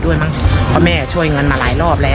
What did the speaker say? วันนี้แม่ช่วยเงินมากกว่า